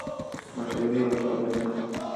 مشورې ورکولې.